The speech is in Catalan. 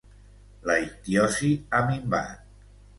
La ictiosi ha minvat.